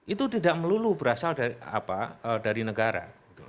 itu tidak melulu berasal dari apa dari negara